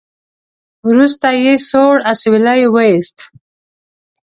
وروسته يې سوړ اسويلی وېست.